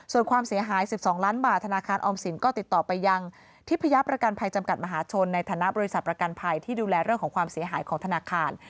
ส่วนความเสียหาย๑๒ล้านบาทธนาคารออมสินก็ติดต่อไปยังทิพยาประกันภัยจำกัดมหาชนในฐานะบริษัทประกันภัยที่ดูแลเรื่องของความเสียหายของธนาคาร